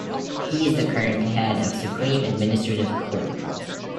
He is the current head of Supreme Administrative Court.